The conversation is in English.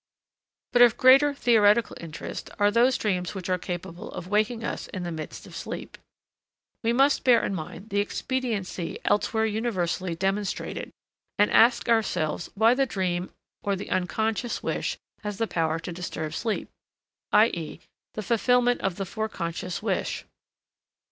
But of greater theoretical interest are those dreams which are capable of waking us in the midst of sleep. We must bear in mind the expediency elsewhere universally demonstrated, and ask ourselves why the dream or the unconscious wish has the power to disturb sleep, i.e. the fulfillment of the foreconscious wish.